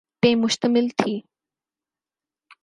پہ مشتمل تھی۔